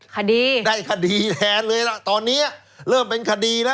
คดีได้คดีแทนเลยล่ะตอนนี้เริ่มเป็นคดีแล้ว